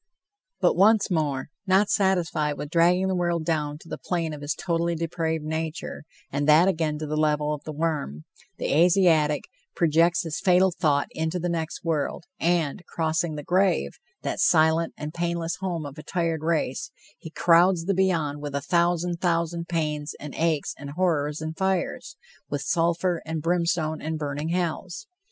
But, once more; not satisfied with dragging the world down to the plane of his totally depraved nature, and that again to the level of the worm, the Asiatic projects his fatal thought into the next world and, crossing the grave, that silent and painless home of a tired race, he crowds the beyond with a thousand thousand pains and aches and horrors and fires with sulphur and brimstone and burning hells.